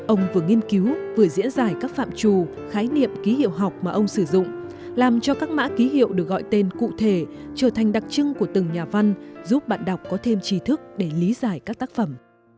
ông vừa nghiên cứu vừa diễn giải các phạm trù khái niệm ký hiệu học mà ông sử dụng làm cho các mã ký hiệu được gọi tên cụ thể trở thành đặc trưng của từng nhà văn giúp bạn đọc có thêm trí thức để lý giải các tác phẩm